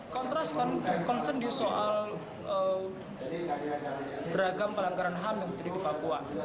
kontras kan concern di soal beragam pelanggaran ham yang terjadi di papua